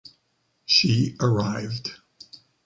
She arrived.